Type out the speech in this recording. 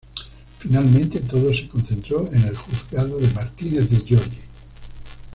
Finalmente, todo se concentró en el juzgado de Martínez de Giorgi.